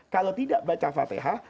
kalau tidak baca fatihah